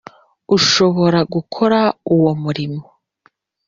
ushobora gukora uwo murimo